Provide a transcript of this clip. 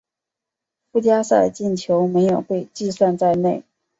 附加赛进球没有被计算在内。